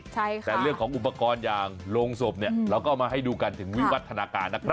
แต่เรื่องของอุปกรณ์อย่างโรงศพเนี่ยเราก็เอามาให้ดูกันถึงวิวัฒนาการนะครับ